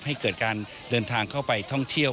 ให้เกิดการเดินทางเข้าไปท่องเที่ยว